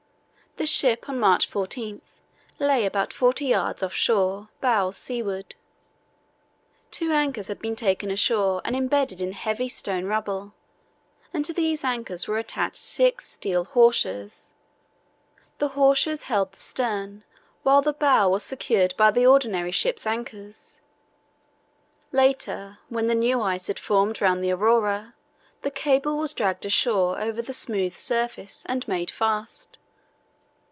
The ship on March 14 lay about forty yards off shore, bows seaward. Two anchors had been taken ashore and embedded in heavy stone rubble, and to these anchors were attached six steel hawsers. The hawsers held the stern, while the bow was secured by the ordinary ship's anchors. Later, when the new ice had formed round the Aurora, the cable was dragged ashore over the smooth surface and made fast.